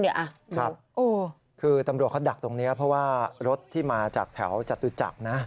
ครับคือตำรวจเขาดักตรงนี้เพราะว่ารถที่มาจากแถวจตุจักรนะ